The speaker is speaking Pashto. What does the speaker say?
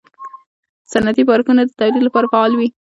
صنعتي پارکونه د تولید لپاره فعال وي.